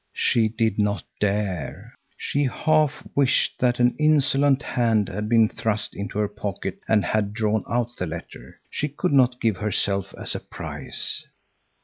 She did not dare. She half wished that an insolent hand had been thrust into her pocket and had drawn out the letter. She could not give herself as a prize.